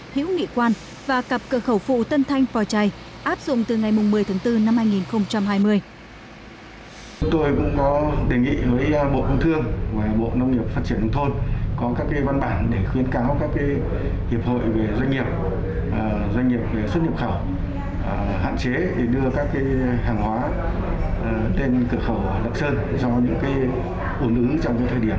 hiểu nghị quan và cặp cửa khẩu phụ tân thanh po chai áp dụng từ ngày một mươi tháng bốn năm hai nghìn hai mươi